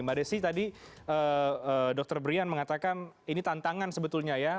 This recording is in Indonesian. mbak desi tadi dr brian mengatakan ini tantangan sebetulnya ya